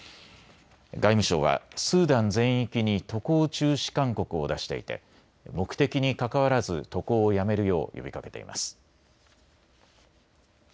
外務省はスーダン全域に渡航中止勧告を出していて目的にかかわらず渡航をやめるよう呼びかけています。